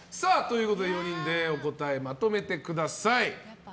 ４人でお答えまとめてください。